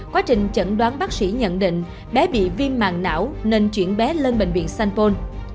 quá trình chẩn đoán bác sĩ nhận định bé bị viêm mạng não nên chuyển bé lên bệnh viện sampol